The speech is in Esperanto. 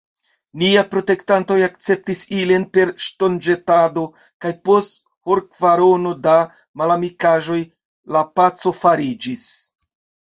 Niaj protektantoj akceptis ilin per ŝtonĵetado, kaj post horkvarono da malamikaĵoj, la paco fariĝis.